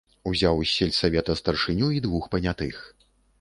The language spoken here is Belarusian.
Узяў з сельсавета старшыню й двух панятых.